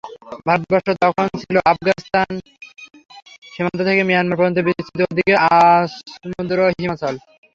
ভারতবর্ষ তখন ছিল আফগানিস্তান সীমান্ত থেকে মিয়ানমার পর্যন্ত বিস্তৃত, ওদিকে আসমুদ্রহিমাচল।